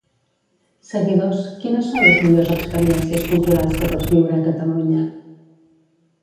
Seguidors... quines són les millors experiències culturals que pots viure a Catalunya?